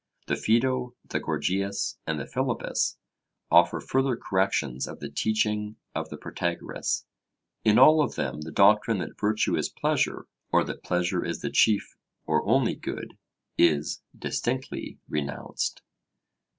The Phaedo, the Gorgias, and the Philebus offer further corrections of the teaching of the Protagoras; in all of them the doctrine that virtue is pleasure, or that pleasure is the chief or only good, is distinctly renounced.